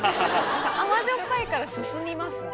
甘じょっぱいから進みますね。